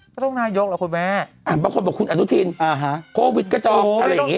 ก็ต้องนายกเหรอคุณแม่บางคนบอกคุณอนุทินโควิดกระจอกอะไรอย่างนี้